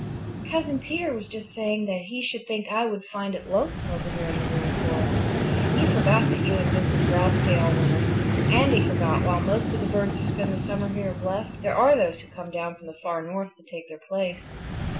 "Cousin Peter was just saying that he should think I would find it lonesome over here in the Green Forest. He forgot that you and Mrs. Grouse stay all winter, and he forgot that while most of the birds who spent the summer here have left, there are others who come down from the Far North to take their place."